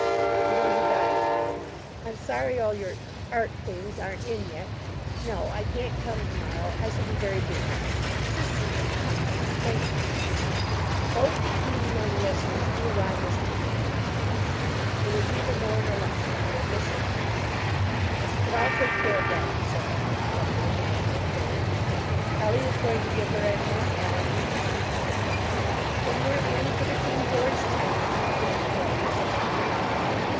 The one who died, you know. I'm sorry all your art things aren't in yet. No, I can't come to morrow; I shall be very busy sister may come thank you." Both the keen young listeners knew why Miss Tina could not come; it was neither more nor less than the admission fee. "But I'll take care of that," said Emma to Claudia in the coal hold. "Elly is going to give her and Miss Ally each a season ticket." "Then we're in for the King George china!" groaned Claudia softly.